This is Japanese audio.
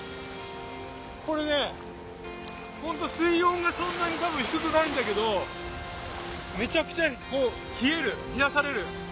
これねホント水温がそんなに多分低くないんだけどめちゃくちゃ冷える冷やされる。